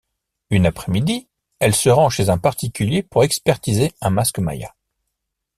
Une après-midi, elle se rend chez un particulier pour expertiser un masque maya.